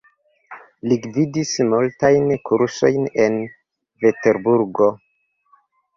Li gvidis multajn kursojn en Peterburgo.